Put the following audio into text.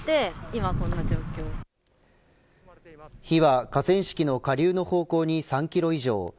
火は河川敷の下流の方向に３キロ以上。